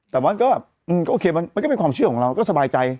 แต่ว่าก็แบบก็โอเคมันก็เป็นความเชื่อของเราก็สบายใจ